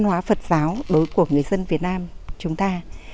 văn hóa phật giáo đối với của người dân việt nam chúng ta